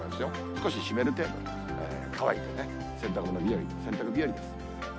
少し湿る程度、乾いてね、洗濯物日和、洗濯日和です。